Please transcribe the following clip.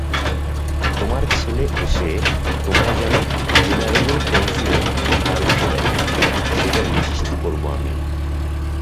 তোমার ছেলে এসে তোমায় যেন জেনারেলের পেন্সিলে ধার দিতে দেখে সেটা নিশ্চিত করব আমি।